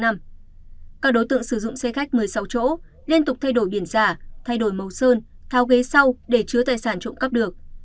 các đối tượng sử dụng xe khách một mươi sáu chỗ liên tục thay đổi biển giả thay đổi màu sơn thao ghế sau để chứa tài sản trộm cắp được